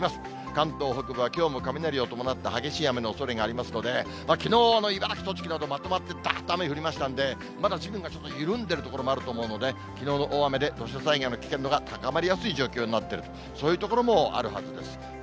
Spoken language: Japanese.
関東北部は、きょうも雷を伴った激しい雨のおそれがありますので、きのうの茨城、栃木など、まとまってだーっと雨降りましたんで、まだちょっと地面が緩んでいる所もあると思うので、きのうの大雨で土砂災害の危険度が高まりやすい状況になってる、そういう所もあるはずです。